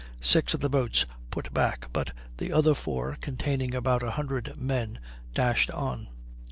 Six of the boats put back; but the other four, containing about a hundred men, dashed on.